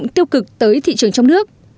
thực tới thị trường trong nước